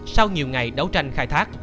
sau nhiều ngày đấu tranh khai thác